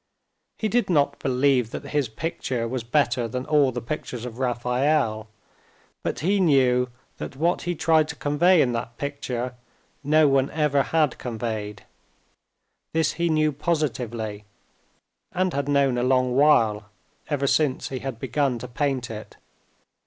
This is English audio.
He did not believe that his picture was better than all the pictures of Raphael, but he knew that what he tried to convey in that picture, no one ever had conveyed. This he knew positively, and had known a long while, ever since he had begun to paint it.